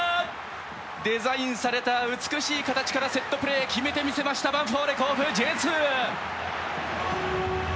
デザインされた美しい形からセットプレー決めてみせましたヴァンフォーレ甲府Ｊ２！